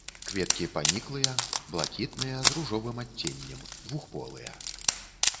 Кветкі паніклыя, блакітныя з ружовым адценнем, двухполыя.